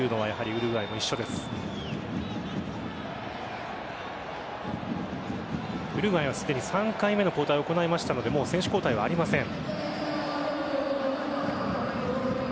ウルグアイはすでに３回目の交代を行ったのでもう選手交代はありません。